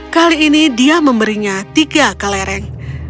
kali ini dia memberinya tiga kelereng